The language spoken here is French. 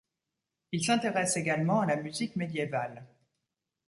Il s'intéresse également à la musique médiévale.